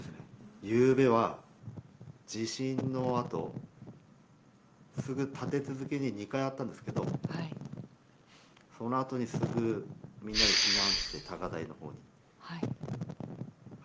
ゆうべは地震のあとすぐ立て続けに２回あったんですけどそのあとに、すぐみんなで避難して、高台のほうに。